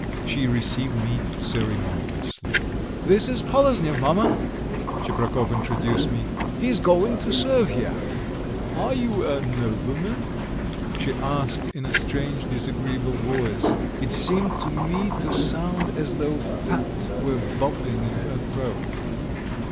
She received me ceremoniously. "This is Poloznev, mamma," Tcheprakov introduced me. "He is going to serve here." "Are you a nobleman?" she asked in a strange, disagreeable voice: it seemed to me to sound as though fat were bubbling in her throat.